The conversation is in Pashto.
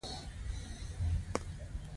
د تودوخې درجه له منفي څلوېښت څخه پورته ځي